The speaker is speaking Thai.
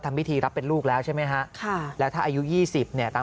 ทำพิธีรับเป็นลูกแล้วใช่ไหมฮะแล้วถ้าอายุ๒๐เนี่ยตาม